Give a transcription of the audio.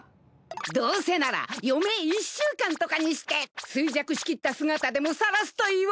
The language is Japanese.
どうせなら余命１週間とかにして衰弱しきった姿でもさらすといいわ。